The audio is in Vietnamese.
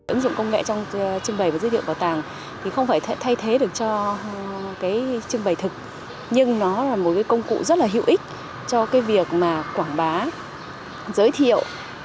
ứng dụng công nghệ trong trưng bày và giới thiệu bảo tàng thì không phải thay thế được cho trưng bày thực nhưng nó là một công cụ rất là hữu ích cho việc quảng bá giới thiệu